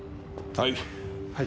はい。